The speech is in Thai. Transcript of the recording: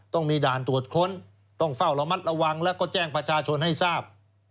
ต้องมีด่านตรวจค้นต้องเฝ้าระมัดระวังแล้วก็แจ้งประชาชนให้ทราบ